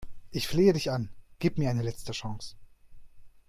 Ich flehe dich an, gib mir eine letzte Chance!